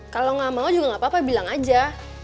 kalau nggak mau juga gak apa apa bilang aja